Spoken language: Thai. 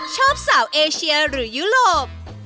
ชอบสาวเอเชียหรือยุโรป